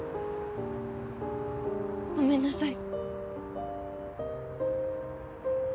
ごめんなさい。